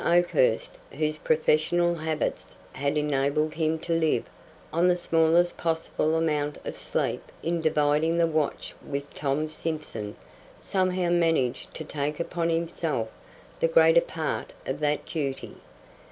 Oakhurst, whose professional habits had enabled him to live on the smallest possible amount of sleep, in dividing the watch with Tom Simson somehow managed to take upon himself the greater part of that duty.